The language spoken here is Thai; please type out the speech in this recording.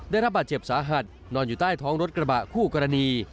ได้รับบาดเจ็บสาหัสนอนอยู่ใต้ท้องรถกระบะคู่กรณี